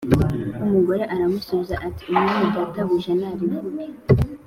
Umugore aramusubiza ati “Umwami databuja narivuge.”